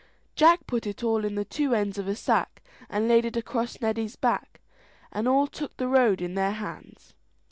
Jack put it all in the two ends of a sack and laid it across Neddy's back, and all took the road in their hands.